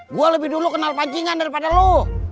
gue lebih dulu kenal pancingan daripada lo